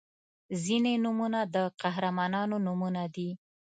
• ځینې نومونه د قهرمانانو نومونه دي.